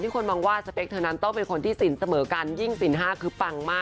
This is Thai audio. คนมองข้ามเรื่องศีลศีลห้าไป